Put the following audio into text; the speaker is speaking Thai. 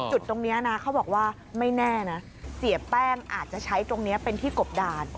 จุดตรงนี้นะเขาบอกว่าไม่แน่นะเสียแป้งอาจจะใช้ตรงนี้เป็นที่กบดาน